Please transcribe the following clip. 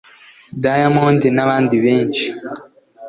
Diamond n'abandi benshi